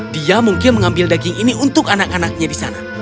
dia mungkin mengambil daging ini untuk anak anaknya di sana